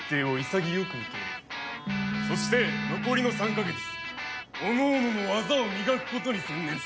そして残りの３カ月おのおのの技を磨くことに専念する。